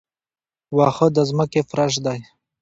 واښه د ځمکې فرش دی